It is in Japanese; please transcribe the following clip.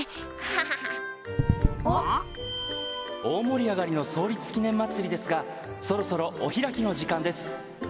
「大盛り上がりの創立記念まつりですがそろそろお開きの時間です。